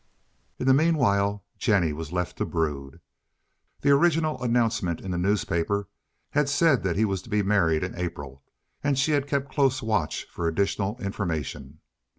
In the meanwhile Jennie was left to brood. The original announcement in the newspapers had said that he was to be married in April, and she had kept close watch for additional information.